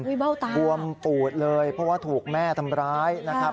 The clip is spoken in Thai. เบ้าตาบวมปูดเลยเพราะว่าถูกแม่ทำร้ายนะครับ